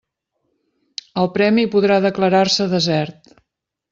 El premi podrà declarar-se desert.